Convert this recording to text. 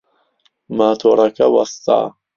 ماتۆڕەکە وەستا.